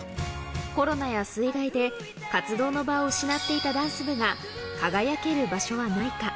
コロナや水害で、活動の場を失っていたダンス部が輝ける場所はないか。